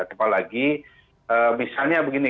apalagi misalnya begini